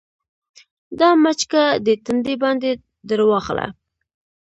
دا مچکه دې تندي باندې درواخله